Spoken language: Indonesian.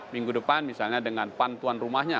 minggu depan misalnya dengan pan tuan rumahnya